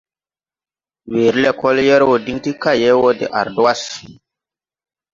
Weere lɛkɔl yɛr wɔ diŋ ti kaye wɔ de ardwas.